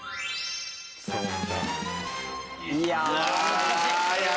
難しい。